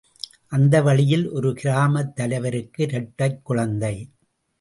அந்த வழியில் ஒரு கிராமத் தலைவருக்கு இரட்டைக் குழந்தை.